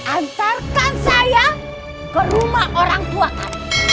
antarkan saya ke rumah orang tua kami